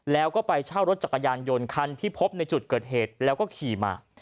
แล้วก็ไปเช่ารถจักรยานยนต์คันที่พบในจุดเกิดเหตุแล้วก็ขี่มา